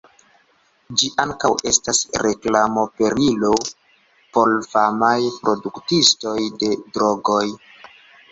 Ĝi ankaŭ estas reklamoperilo por famaj produktistoj de drogoj.